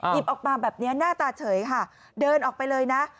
หยิบออกมาแบบนี้หน้าตาเฉยค่ะเดินออกไปเลยนะ